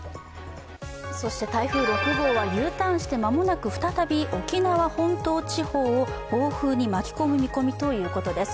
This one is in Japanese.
そして台風６号はＵターンして間もなく再び沖縄本島地方を暴風に巻き込む見込みということです。